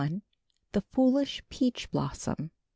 THE FOOLISH PEACH BLOSSOM.